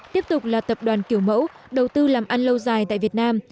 tiếp tục là tập đoàn kiểu mẫu đầu tư làm ăn lâu dài tại việt nam